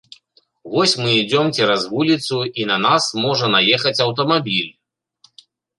Вось мы ідзём цераз вуліцу і на нас можа наехаць аўтамабіль.